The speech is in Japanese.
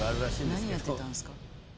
何やってたんですか？